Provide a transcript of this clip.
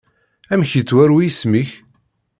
Amek yettwaru yisem-ik?